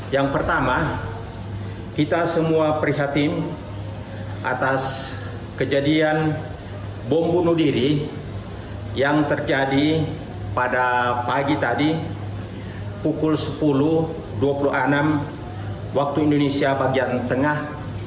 yang pertama kita semua prihatin atas kejadian bom bunuh diri yang terjadi pada pagi tadi pukul sepuluh dua puluh enam waktu indonesia bagian tengah